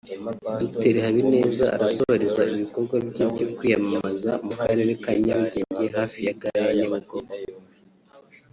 Dr Habineza arasoreza ibikorwa bye byo kwiyamamaza mu karere ka Nyarugenge hafi ya Gare ya Nyabugogo